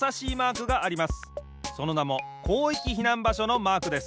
そのなも広域避難場所のマークです。